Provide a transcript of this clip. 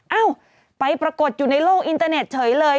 เอ้าไปปรากฏอยู่ในโลกอินเตอร์เน็ตเฉยเลย